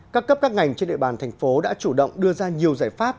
các cấp các ngành trên địa bàn thành phố đã chủ động đưa ra nhiều giải pháp